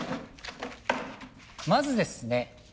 まずですね